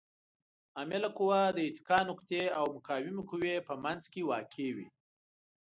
عامله قوه د اتکا نقطې او مقاومې قوې په منځ کې واقع وي.